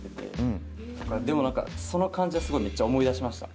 でもなんかその感じはすごいめっちゃ思い出しました。